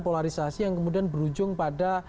polarisasi yang kemudian berujung pada